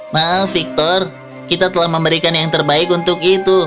maaf victor kita telah memberikan yang terbaik untuk itu